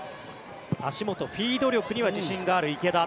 足元、フィード力には自信がある池田。